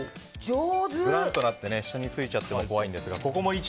ぶらんとなって下についちゃっても怖いんですが、ここも１。